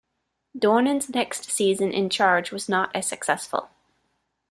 Dornan's next season in charge was not as successful.